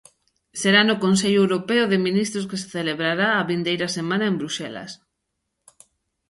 Será no consello europeo de ministros que se celebrará a vindeira semana en Bruxelas.